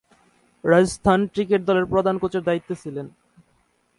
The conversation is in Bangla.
রাজস্থান ক্রিকেট দলের প্রধান কোচের দায়িত্বে ছিলেন।